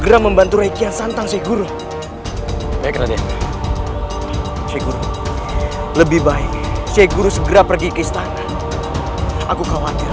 rupanya kau memilih kematianmu disini